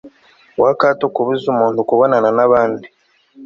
guha akato kubuza umuntu kubonana n'abandi